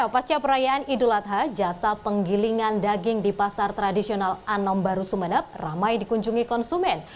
pasca perayaan idul adha jasa penggilingan daging di pasar tradisional anom baru sumeneb ramai dikunjungi konsumen